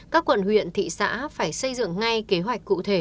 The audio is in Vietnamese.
các quận huyện thị xã phải xây dựng ngay kế hoạch cụ thể